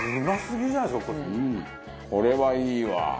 これはいいわ。